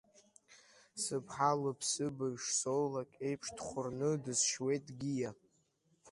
Сыԥҳа лыԥсыбаҩ шсоулак еиԥш, дхәырны дысшьуеит Гиа!